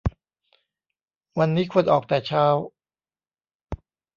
วันนี้ควรออกแต่เช้า